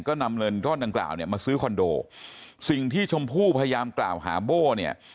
ก็นำเงินก้อนดังกล่าวเนี่ยมาซื้อคอนโดสิ่งที่ชมพู่พยายามกล่าวหาโบ้เนี่ย